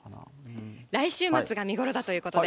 来週末が見頃だということです。